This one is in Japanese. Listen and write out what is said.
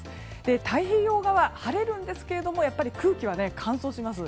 太平洋側、晴れるんですけれども空気は乾燥します。